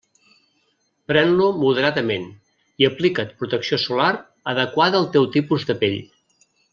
Pren-lo moderadament i aplica't protecció solar adequada al teu tipus de pell.